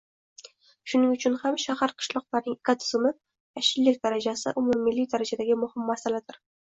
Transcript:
Shuning uchun ham shahar-qishloqlarning ekotizimi, “yashillik” darajasi umummilliy darajadagi muhim masaladir